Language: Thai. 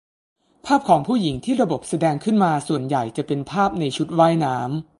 ภาพของผู้หญิงที่ระบบแสดงขึ้นมา ส่วนใหญ่จะเป็นภาพในชุดว่ายน้ำ